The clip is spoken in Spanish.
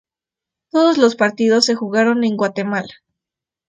Todos los partidos se jugaron en Guatemala.